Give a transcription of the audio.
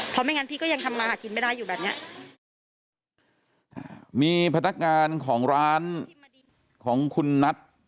เพราะไม่งั้นพี่ก็ยังทำมาหากินไม่ได้อยู่แบบเนี้ยอ่ามีพนักงานของร้านของคุณนัท